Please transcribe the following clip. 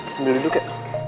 sambil duduk ya